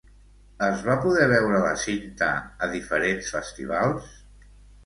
Es va poder veure la cinta a diferents festivals?